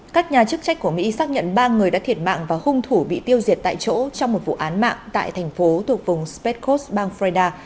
các nhà chức trách của mỹ xác nhận ba người đã thiệt mạng và hung thủ bị tiêu diệt tại chỗ trong một vụ án mạng tại thành phố thuộc vùng spetcos bang freda